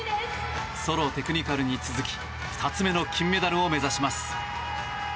ソロテクニカルに続き２つ目の金メダルを目指します。